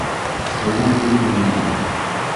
Тыуған көнөң менән.